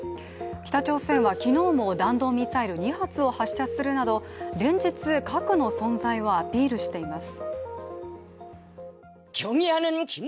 北朝鮮は昨日も弾道ミサイル２発を発射するなど連日、核の存在をアピールしています。